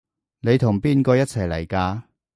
你同邊個一齊嚟㗎？